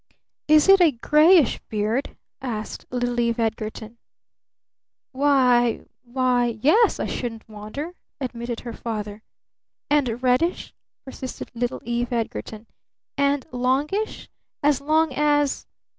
"Is it a grayish beard?" asked little Eve Edgarton. "Why why, yes I shouldn't wonder," admitted her father. "And reddish?" persisted little Eve Edgarton. "And longish? As long as